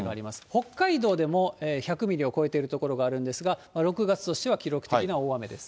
北海道でも１００ミリを超えている所があるんですが、６月としては記録的な大雨です。